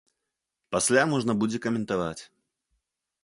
Пасля можна будзе каментаваць.